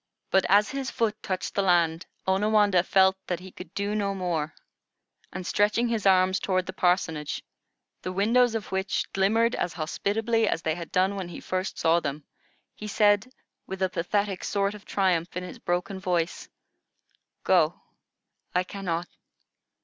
But as his foot touched the land, Onawandah felt that he could do no more, and stretching his arms toward the parsonage, the windows of which glimmered as hospitably as they had done when he first saw them, he said, with a pathetic sort of triumph in his broken voice: "Go. I cannot.